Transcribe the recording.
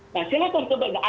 nah silahkan keberadaan